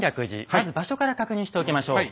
まず場所から確認しておきましょう。